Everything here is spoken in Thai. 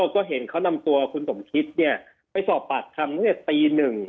ก็เห็นเขานำตัวคุณสมคิตเนี่ยไปสอบปัดคำตั้งแต่ตี๑